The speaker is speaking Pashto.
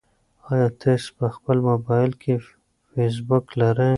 ایا تاسي په خپل موبایل کې فېسبوک لرئ؟